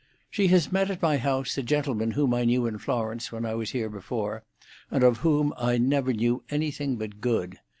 "She has met at my house a gentleman whom I knew in Florence when I was here before, and of whom I never knew anything but good.